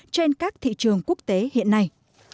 trên các thị trường quốc tế hiện nay